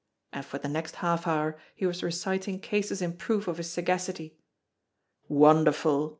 And for the next half hour he was reciting cases in proof of his sagacity. "Wonderful!"